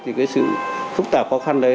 thì cái sự phức tạp khó khăn đấy